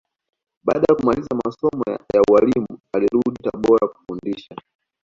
Baada ya kumaliza masomo ya ualimu alirudi Tabora kufundisha